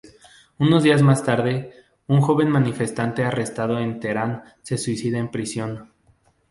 Unos días más tarde, un joven manifestante arrestado en Teherán se suicida en prisión.